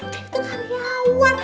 dia itu karyawan